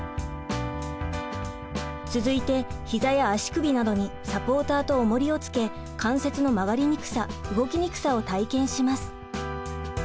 続いて膝や足首などにサポーターとおもりをつけ関節の曲がりにくさ動きにくさを体験します。